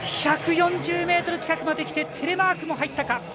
１４０ｍ近くまで来てテレマークも入ったか。